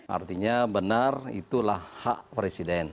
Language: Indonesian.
artinya benar itulah hak presiden